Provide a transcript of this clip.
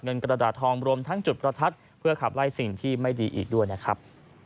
กระดาษทองรวมทั้งจุดประทัดเพื่อขับไล่สิ่งที่ไม่ดีอีกด้วยนะครับ